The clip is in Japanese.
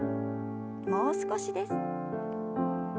もう少しです。